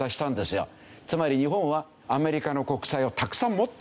つまり日本はアメリカの国債をたくさん持っている。